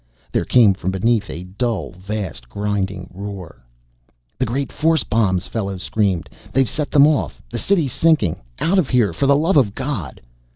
There came from beneath a dull, vast, grinding roar. "The great force bombs!" Fellows screamed. "They've set them off the city's sinking out of here, for the love of God!"